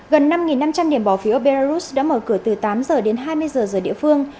gần năm năm trăm linh điểm bỏ phiếu ở belarus đã mở cửa từ tám giờ đến hai mươi giờ giờ địa phương